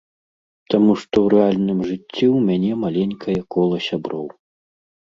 Таму што ў рэальным жыцці ў мяне маленькае кола сяброў.